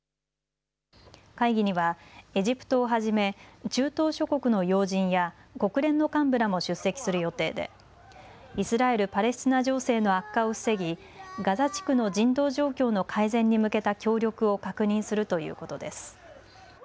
会議にはエジプトをはじめ中東諸国の要人や国連の幹部らも出席する予定でイスラエル・パレスチナ情勢の悪化を防ぎガザ地区の人道状況の改善に向けた協力を確認するということです。